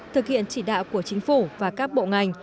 thực hiện chỉ đạo của chính phủ và các bộ ngành